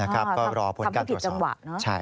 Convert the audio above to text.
ก็รอผลการตรวจสอบ